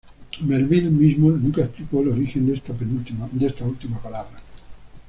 Melville mismo nunca explicó el origen de esta última palabra.